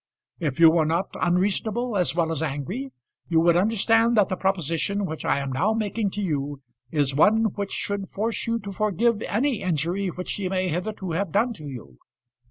If you were not unreasonable as well as angry, you would understand that the proposition which I am now making to you is one which should force you to forgive any injury which she may hitherto have done to you.